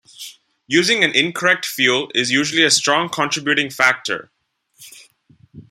Using an incorrect fuel is usually a strong contributing factor.